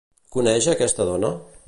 Coneix a aquesta dona?